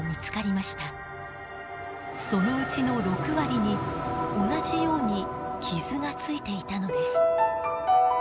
そのうちの６割に同じように傷がついていたのです。